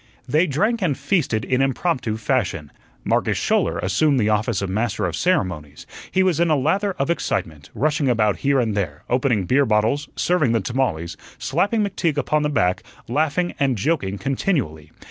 They drank and feasted in impromptu fashion. Marcus Schouler assumed the office of master of ceremonies; he was in a lather of excitement, rushing about here and there, opening beer bottles, serving the tamales, slapping McTeague upon the back, laughing and joking continually.